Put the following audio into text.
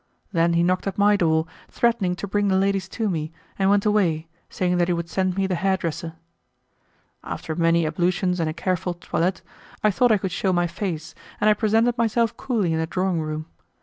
Then he knocked at my door, threatening to bring the ladies to me, and went away, saying that he would send me the hair dresser. After many ablutions and a careful toilet, I thought I could shew my face, and I presented myself coolly in the drawing room.